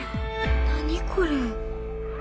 何これ。